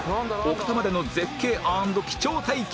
奥多摩での絶景＆貴重体験に